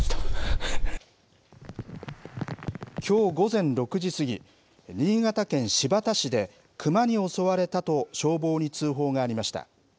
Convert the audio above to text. きょう午前６時過ぎ新潟県新発田市で熊に襲われたと消防に通報がありました。